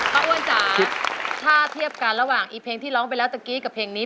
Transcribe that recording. อ้วนจ๋าถ้าเทียบกันระหว่างอีเพลงที่ร้องไปแล้วตะกี้กับเพลงนี้